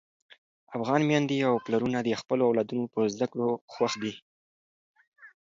افغان میندې او پلرونه د خپلو اولادونو په زده کړو خوښ دي.